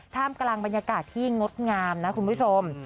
ท่ามกลางบรรยากาศที่งดงามนะคุณผู้ชม